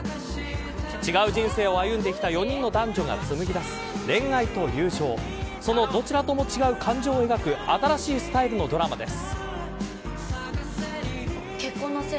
違う人生を歩んできた４人の男女が紡ぎ出す恋愛と友情そのどちらとも違う感情を描く新しいスタイルのドラマです。